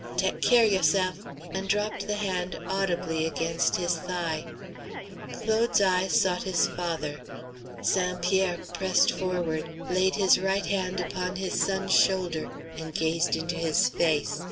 "Teck care you'seff," and dropped the hand audibly against his thigh. Claude's eye sought his father. St. Pierre pressed forward, laid his right hand upon his son's shoulder, and gazed into his face.